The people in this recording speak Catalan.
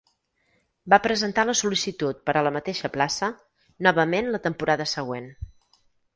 Va presentar la sol·licitud per a la mateixa plaça, novament la temporada següent.